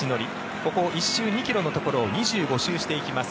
ここ、１周２ｋｍのところを２５周していきます。